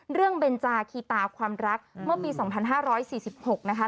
เบนจาคีตาความรักเมื่อปี๒๕๔๖นะคะ